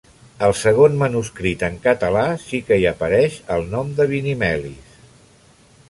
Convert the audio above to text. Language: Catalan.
Al segon manuscrit en català sí que hi apareix el nom de Binimelis.